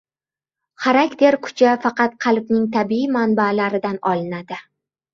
Xarakter kuchi faqat qalbning tabiiy manbalaridan olinadi